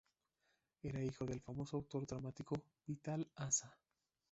Era hijo del famoso autor dramático Vital Aza.